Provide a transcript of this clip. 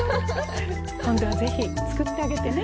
今度は是非作ってあげてね。